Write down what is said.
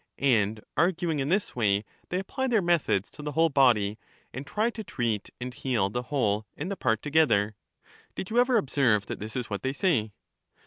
And arguing in this way they apply their methods to the whole body, and try to treat and heal the whole and the part together. Did you ever ob serve that this is what they say?